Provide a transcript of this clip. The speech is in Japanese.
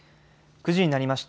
９時になりました。